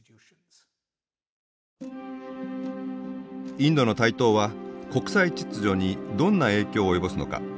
インドの台頭は国際秩序にどんな影響を及ぼすのか。